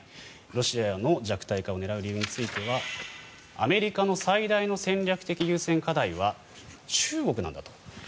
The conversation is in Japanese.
ロシアの弱体化を狙う理由についてはアメリカの最大の戦略的優先課題は中国なんだと。